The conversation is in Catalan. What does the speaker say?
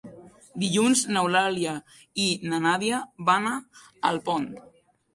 Dilluns n'Eulàlia i na Nàdia van a Alpont.